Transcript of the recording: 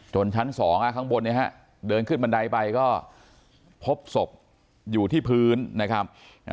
ชั้น๒ข้างบนเนี่ยฮะเดินขึ้นบันไดไปก็พบศพอยู่ที่พื้นนะครับ